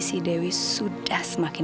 sampai jumpa lagi